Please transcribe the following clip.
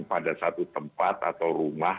pada satu tempat atau rumah